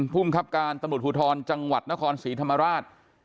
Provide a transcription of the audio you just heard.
ภูมิครับการตำรวจภูทรจังหวัดนครศรีธรรมราช